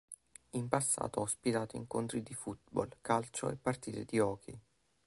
In passato ha ospitato incontri di football, calcio e partite di hockey.